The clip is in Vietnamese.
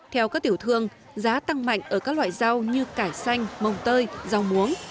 theo các tiểu thương giá tăng mạnh ở các loại rau như cải xanh mồng tơi rau muống